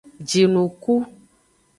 Jinuku.